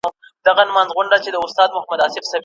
چي پښتانه په جبر نه، خو په رضا سمېږي.